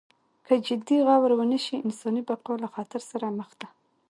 که جدي غور ونشي انساني بقا له خطر سره مخ ده.